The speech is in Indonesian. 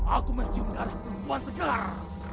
aku mencium darah perempuan segera